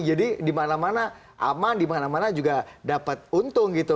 jadi dimana mana aman dimana mana juga dapat untung gitu